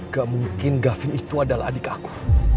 gak mungkin gavin itu adalah adik aku